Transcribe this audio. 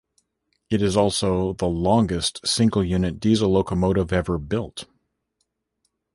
It is also the longest single-unit diesel locomotive ever built.